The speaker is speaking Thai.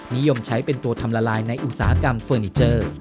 นิยมใช้เป็นตัวทำละลายในอุตสาหกรรมเฟอร์นิเจอร์